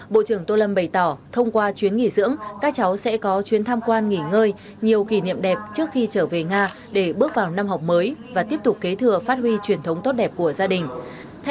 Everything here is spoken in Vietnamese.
bộ trưởng tô lâm bày tỏ thông qua chuyến nghỉ dưỡng các cháu sẽ có chuyến tham quan nghỉ ngơi nhiều kỷ niệm đẹp trước khi trở về nga để bước vào năm học mới và tiếp tục kế thừa phát huy truyền thống tốt đẹp của gia đình